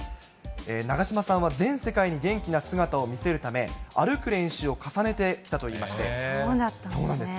長嶋さんは全世界に元気な姿を見せるため、歩く練習を重ねてきたそうなんですね。